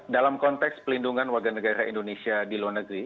dalam konteks pelindungan warga negara indonesia di luar negeri